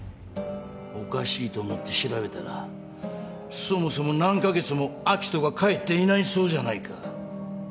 おかしいと思って調べたらそもそも何カ月も明人が帰っていないそうじゃないか。